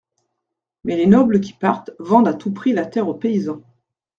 Mais les nobles qui partent, vendent à tout prix la terre au paysan.